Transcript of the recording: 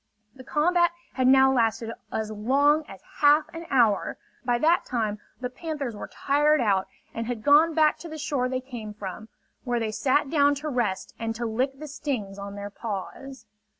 The combat had now lasted as long as half an hour. By that time the panthers were tired out and had gone back to the shore they came from, where they sat down to rest and to lick the stings on their paws.